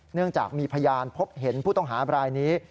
เนื่องจากมีพยานพบเห็นผู้ต้องหาบรายนี้